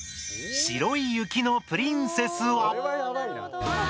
「白い雪のプリンセスは」。